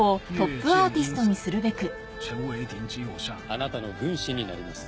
あなたの軍師になります。